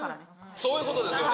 そういうことですよね。